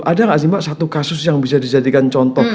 ada nggak sih mbak satu kasus yang bisa dijadikan contoh